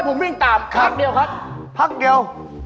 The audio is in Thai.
รองเท้าเนี่ย